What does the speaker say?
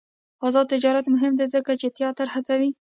آزاد تجارت مهم دی ځکه چې تیاتر هڅوي.